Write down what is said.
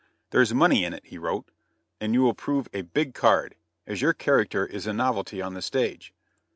"There's money in it," he wrote, "and you will prove a big card, as your character is a novelty on the stage."